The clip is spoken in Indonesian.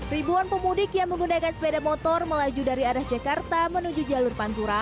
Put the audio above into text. ribuan pemudik yang menggunakan sepeda motor melaju dari arah jakarta menuju jalur pantura